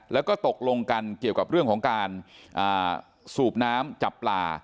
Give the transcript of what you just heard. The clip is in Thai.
แล้วก็ตกลงกันเกี่ยวกับเรื่องของการสูบน้ำจับปลา